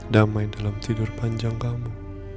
damai dalam tidur panjang kamu